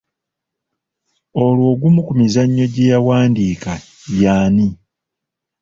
Olwo ogumu ku mizannyo gye yawandiika y'ani?